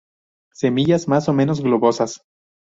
Semillas más o menos globosas.